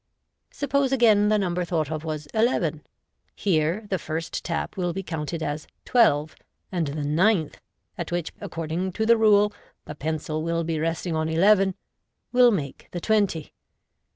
Suppose, again, the number thought of was "eleven." Here the first tap will be counted as " twelve," and the ninth (at which, according to the rule, the pencil will be resting on eleven) will make the twenty.